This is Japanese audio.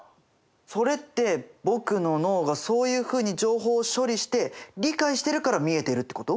それって僕の脳がそういうふうに情報を処理して理解してるから見えてるってこと？